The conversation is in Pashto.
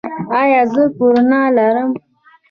ایا زه کرونا لرم؟